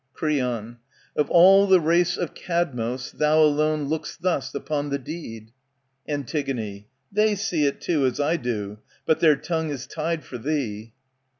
Creofi. Of all the race of Cadmos thou alone Look'st thus upon the deed. Antig, They see it too As I do, but their tongue is tied for thee.